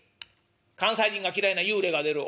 関西人が嫌いな幽霊が出る？